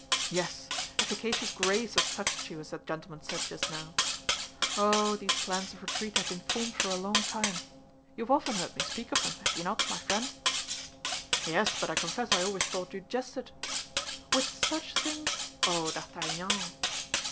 "Yes, efficacious grace has touched you, as that gentleman said just now." "Oh, these plans of retreat have been formed for a long time. You have often heard me speak of them, have you not, my friend?" "Yes; but I confess I always thought you jested." "With such things! Oh, D'Artagnan!"